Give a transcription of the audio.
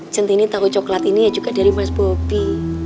centini tau coklat ini ya juga dari mas bubi